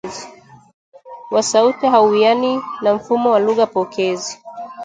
wa sauti hauwiani na mfumo wa lugha pokezi